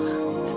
aku tak bisa